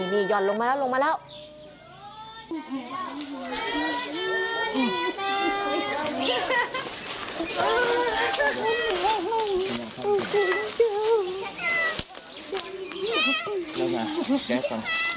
นี่ห่อนลงมาแล้วลงมาแล้ว